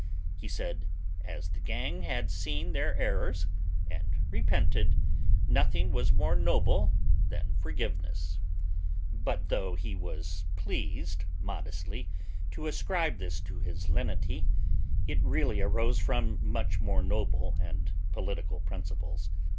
He said, as the gang had seen their errors, and repented, nothing was more noble than forgiveness. But, though he was pleased modestly to ascribe this to his lenity, it really arose from much more noble and political principles.